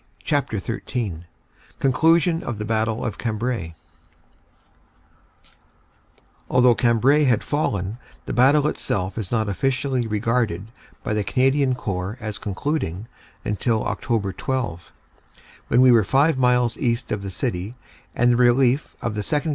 CHAPTER XIII CONCLUSION OF THE BATTLE OF CAMBRAI ALTHOUGH Cambrai had fallen, the battle itself is not officially regarded by the Canadian Corps as concluding until Oct. 12, when we were five miles east of the city and the relief of the 2nd.